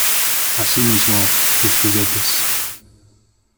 Así mismo. Tus juguetes .